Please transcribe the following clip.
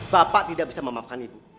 bapak tidak bisa memaafkan ibu